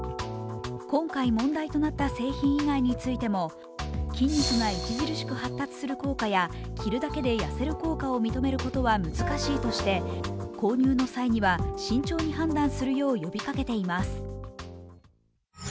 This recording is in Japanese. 今回、問題となった製品以外についても筋肉が著しく発達する効果や着るだけで痩せる効果を認めることは難しいとして、購入の際には慎重に判断するよう呼びかけています。